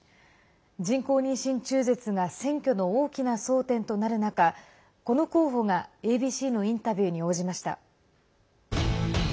人工妊娠中絶が選挙の大きな争点となる中この候補がＡＢＣのインタビューに応じました。